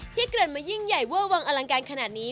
ที่เกิดมายิ่งใหญ่เวอร์วังอลังการขนาดนี้